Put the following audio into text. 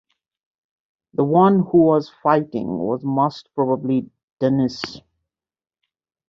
The one who was fighting was most probably Denis.